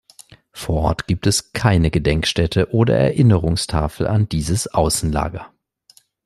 Vor Ort gibt es keine Gedenkstätte oder Erinnerungstafel an dieses Außenlager.